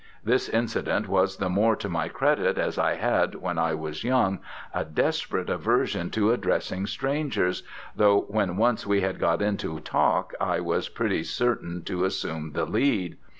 This incident was the more to my credit as I had, when I was young, a desperate aversion to addressing strangers, though when once we had got into talk I was pretty certain to assume the lead.